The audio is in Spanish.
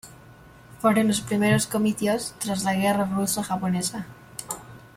Fueron los primeros comicios tras la guerra ruso-japonesa.